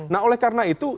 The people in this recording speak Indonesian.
nah oleh karena itu